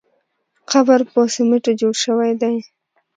قبر په سمېټو جوړ شوی دی.